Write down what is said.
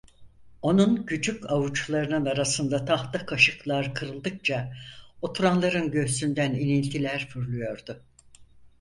Onun küçük avuçlarının arasında tahta kaşıklar kırıldıkça oturanların göğsünden iniltiler fırlıyordu.